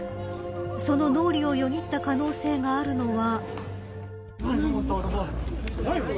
その脳裏をよぎった可能性があるのは。